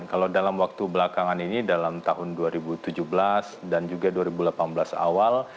kalau dalam waktu belakangan ini dalam tahun dua ribu tujuh belas dan juga dua ribu delapan belas awal